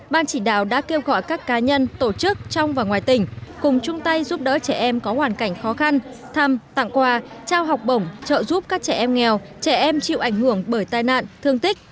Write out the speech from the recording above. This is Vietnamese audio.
ban chỉ đạo đã kêu gọi các cá nhân tổ chức trong và ngoài tỉnh cùng chung tay giúp đỡ trẻ em có hoàn cảnh khó khăn thăm tặng quà trao học bổng trợ giúp các trẻ em nghèo trẻ em chịu ảnh hưởng bởi tai nạn thương tích